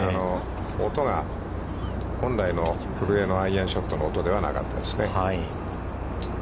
音が本来の古江のアイアンショットの音ではなかったですね。